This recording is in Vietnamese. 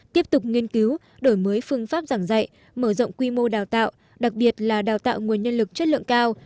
tiếp tục nghiên cứu đổi mới phương pháp giảng dạy mở rộng quy mô đào tạo đặc biệt là đào tạo nguồn nhân lực chất lượng cao